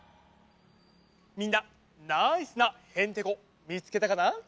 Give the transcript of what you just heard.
みんなナイスなヘンテコみつけたかな？